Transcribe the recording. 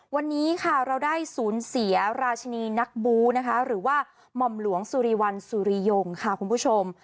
วันนี้ค่ะเราได้สูญเสียราชินีนักบูนะคะหรือว่าหม่อมหลวงสุริวัลสุริยงค่ะคุณผู้ชม